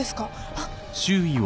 あっ。